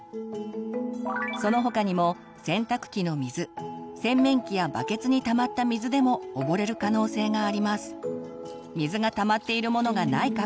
その他にも洗濯機の水洗面器やバケツに溜まった水でも溺れる可能性があります。